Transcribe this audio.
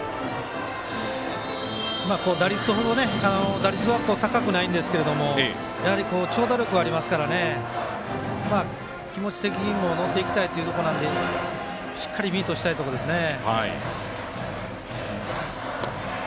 打率は、そんなに高くないんですけど長打力はありますから気持ち的にも乗っていきたいところなのでしっかりミートしたいところですね。